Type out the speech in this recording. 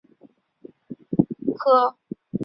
隐棘鳚科为辐鳍鱼纲鲈形目的其中一个科。